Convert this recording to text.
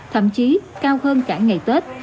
thậm chí cao hơn cả ngày tết